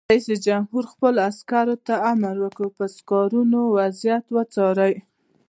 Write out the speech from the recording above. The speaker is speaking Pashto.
رئیس جمهور خپلو عسکرو ته امر وکړ؛ پر سکرینونو وضعیت وڅارئ!